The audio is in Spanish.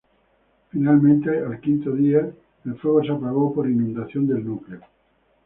Finalmente, al quinto día, el fuego se apagó por inundación del núcleo.